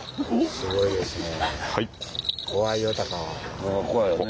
すごいですねぇ。